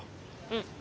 うん。